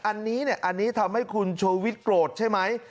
อันนี้เนี่ยอันนี้ทำให้คุณชูวิทย์โกรธใช่ไหม